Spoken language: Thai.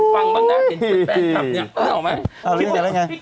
ฟังบ้างนะเห็นเป็นแฟนคลับเนี่ยนึกออกไหม